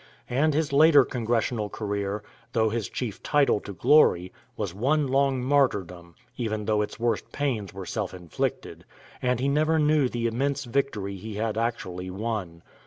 And his later Congressional career, though his chief title to glory, was one long martyrdom (even though its worst pains were self inflicted), and he never knew the immense victory he had actually won.